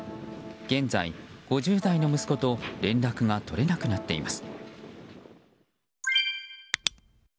現在、５０代の息子と連絡が取れなくなっています。